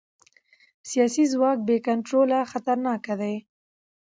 سیاسي ځواک بې کنټروله خطرناک دی